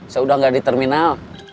saya udah gak di terminal